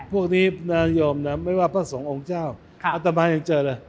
พวกนี้นายอมนะไม่ว่าพระสงฆ์องค์เจ้าอัตมายังเจอเลย